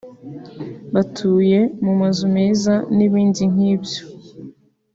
batuye mu mazu meza n’ibindi nk’ibyo